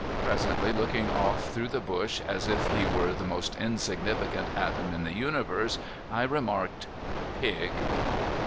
Presently, looking off through the bush as if he were the most insignificant atom in the universe, I remarked: "Pig!"